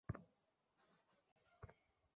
তুই কি ফাঁদ পাতা বন্ধ করবি?